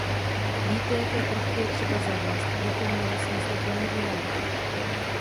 Víte, jaké prvky je třeba zavést, abychom měli smysluplný dialog.